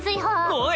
おい。